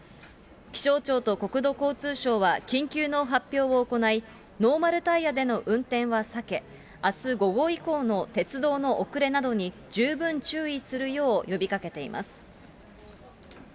気象庁と国土交通省は緊急の発表を行い、ノーマルタイヤでの運転は避け、あす午後以降の鉄道の遅れなどに十分注意するよう呼びかけています。